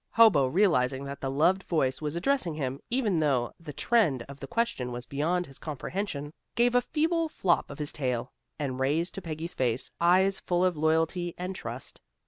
Hobo, realizing that the loved voice was addressing him, even though the trend of the question was beyond his comprehension, gave a feeble flop of his tail, and raised to Peggy's face eyes full of loyalty and trust.